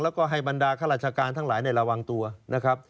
แล้วก็ให้บรรดาข้าราชการทั้งหลายในระวังตัวนะครับ